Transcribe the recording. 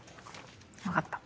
分かった。